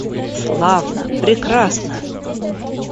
Славно, прекрасно!